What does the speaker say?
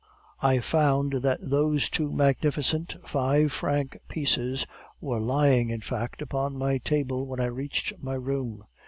"I found that those two magnificent five franc pieces were lying, in fact, upon my table when I reached my room.